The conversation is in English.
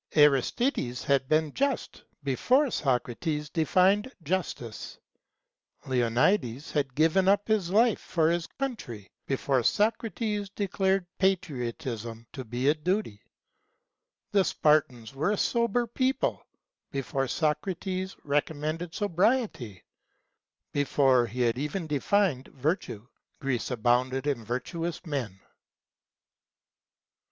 Aristides had been just before Socrates defined justice; Leonidas had given up his life for his country before Socrates declared patriotism to be a duty; the Spartans were a sober people before Socrates recommended sobriety; be fore he had even defined virtue, Greece abounded in virtuous men.